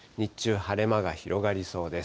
日中、晴れ間が広がりそうです。